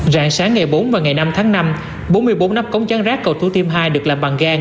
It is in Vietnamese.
rạng sáng ngày bốn và ngày năm tháng năm bốn mươi bốn nắp cống trắng rác cầu thủ thiêm hai được làm bằng gang